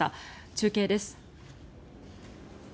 中継です。